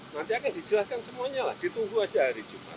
nanti akan dijelaskan semuanya lah ditunggu aja hari jumat